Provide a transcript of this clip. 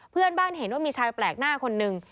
เพื่อนบ้านเห็นว่ามีชายแปลกหน้าคนนึง